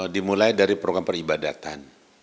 dimulai dari program peribadatan